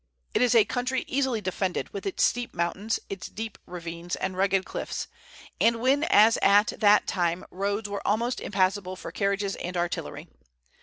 It is a country easily defended, with its steep mountains, its deep ravines, and rugged cliffs, and when as at that time roads were almost impassable for carriages and artillery.